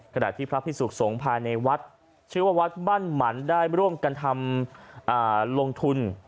ขณะที่พระพิสุขสงฆ์ภายในวัดชื่อว่าวัดบ้านหมันได้ร่วมกันทำลงทุน